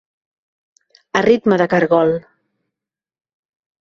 A ritme de caragol.